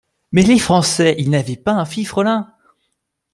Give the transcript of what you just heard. Mais les Français, ils n’avaient pas un fifrelin !